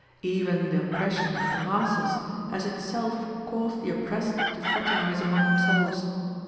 Even the oppression of the masses has itself caused the oppressed to fraternize among themselves.